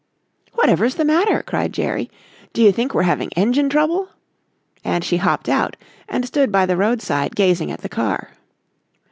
"Whatever's the matter?" cried Jerry. "Do you think we're having engine trouble?" and she hopped out and stood by the roadside gazing at the car.